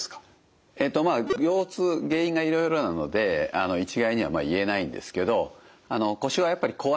まあ腰痛原因がいろいろなので一概には言えないんですけど腰はやっぱり怖いのでね